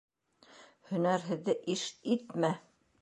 Һөнәрһеҙҙе иш итмә.